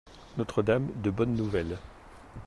Notre-Dame de Bonne Nouvelle.